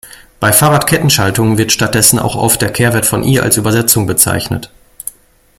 Bei Fahrrad-Kettenschaltungen wird stattdessen auch oft der Kehrwert von "i" als Übersetzung bezeichnet.